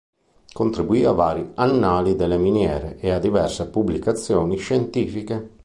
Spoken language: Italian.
Contribuì a vari "Annali delle miniere" e a diverse pubblicazioni scientifiche.